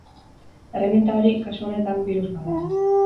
Erreminta hori, kasu honetan, birus bat da.